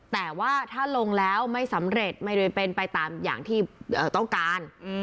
แต่ว่าถ้าลงแล้วไม่สำเร็จไม่ได้เป็นไปตามอย่างที่ต้องการ